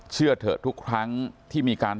เชื่อเถอะทุกครั้งที่มีการ